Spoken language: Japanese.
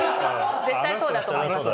絶対そうだと思います